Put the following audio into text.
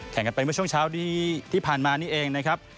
กันไปเมื่อช่วงเช้าที่ผ่านมานี่เองนะครับ